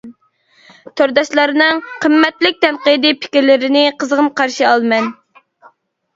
تورداشلارنىڭ قىممەتلىك تەنقىدىي پىكىرلىرىنى قىزغىن قارشى ئالىمەن.